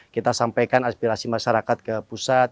kita sampaikan aspirasi masyarakat ke pusat